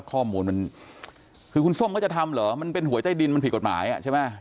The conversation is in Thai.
ข้อมูลมันคือคุณส้มเขาจะทำเหรอมันเป็นหวยใต้ดินมันผิดกฎหมายอ่ะใช่ไหม